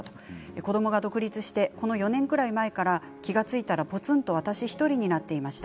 子どもが独立してこの４年くらい前から気が付いたら、ぽつんと私１人になっていました。